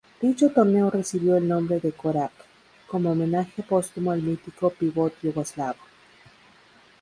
Dicho torneo recibió el nombre de Korać como homenaje póstumo al mítico pivot yugoslavo.